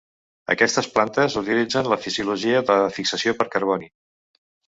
Aquestes plantes utilitzen la fisiologia de fixació per carboni.